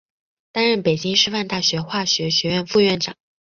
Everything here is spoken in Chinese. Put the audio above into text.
担任北京师范大学化学学院副院长。